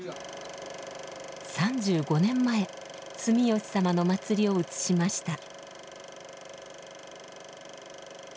３５年前住吉様の祭りを写しました。